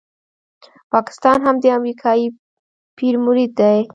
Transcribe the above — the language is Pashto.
پاکستان هم د امریکایي پیر مرید دی.